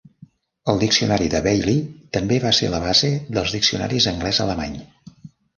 El diccionari de Bailey també va ser la base dels diccionaris anglès-alemany.